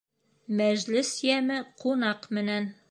Мәжлес йәме ҡунаҡ менән